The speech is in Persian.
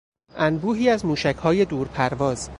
انبوهی از موشکهای دورپرواز